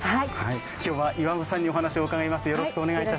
今日は岩間さんにお話を伺います。